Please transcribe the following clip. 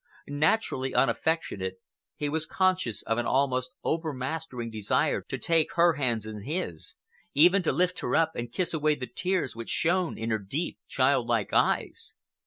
Naturally unaffectionate, he was conscious of an almost overmastering desire to take her hands in his, even to lift her up and kiss away the tears which shone in her deep, childlike eyes.